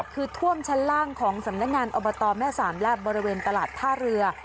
คือท่วมชั้นล่างของสำนักงานอบตแม่สามและบริเวณตลาดท่าเรือ